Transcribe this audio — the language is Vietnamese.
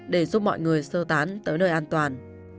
để giúp mọi người sơ tán tới nơi an toàn